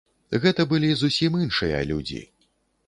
Гэта былі зусім іншыя людзі.